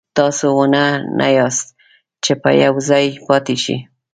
تاسو ونه نه یاست چې په یو ځای پاتې شئ.